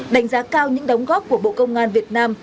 đánh giá cao những đóng góp của bộ công an việt nam